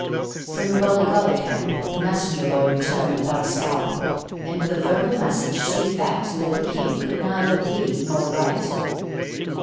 From the Bollygolla camp the messenger boy returned without a scalp, and with a verbal message to the effect that the King could neither read nor write.